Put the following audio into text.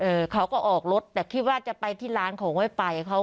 เอ่อเขาก็ออกรถแต่คิดว่าจะไปที่ร้านของไว้ไป